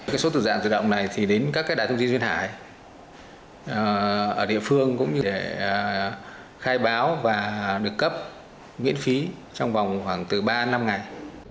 cái số tự dạng tự động này thì đến các đài thông tin duyên hải ở địa phương cũng như để khai báo và được cấp miễn phí trong vòng khoảng từ ba năm ngày